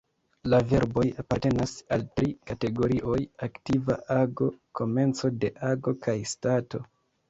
La verboj apartenas al tri kategorioj: aktiva ago, komenco de ago kaj stato.